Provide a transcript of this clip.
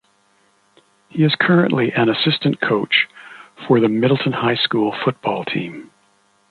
He is currently an assistant coach for the Middleton High School football team.